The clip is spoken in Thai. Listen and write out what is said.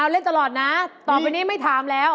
เล่นตลอดนะต่อไปนี้ไม่ถามแล้ว